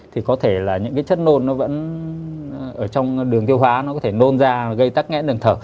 thì có thể là những cái chất nôn nó vẫn ở trong đường tiêu hóa nó có thể nôn ra và gây tắc nghẽn đường thở